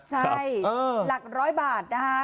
ใช่หลักร้อยบาทนะฮะ